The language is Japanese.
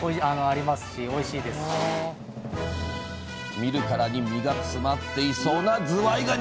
見るからに身が詰まっていそうなずわいがに。